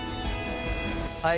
はい。